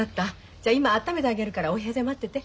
じゃ今あっためてあげるからお部屋で待ってて。